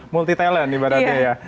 multi talent ibaratnya ya